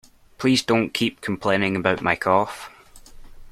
Please don't keep complaining about my cough